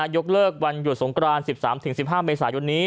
ยกเลิกวันหยุดสงกราน๑๓๑๕เมษายนนี้